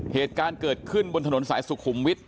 เหตุการณ์เกิดขึ้นบนถนนสายสุขุมวิทย